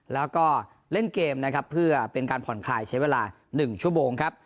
แล้วก็เล่นเกมนะครับเพื่อเป็นการผ่อนคลายใช้เวลา๑ชั่วโมงครับ